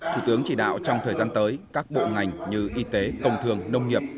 thủ tướng chỉ đạo trong thời gian tới các bộ ngành như y tế công thương nông nghiệp